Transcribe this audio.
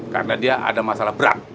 karena dia ada masalah berat